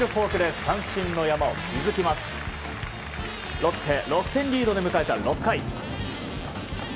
ロッテ、６点リードで迎えた６回。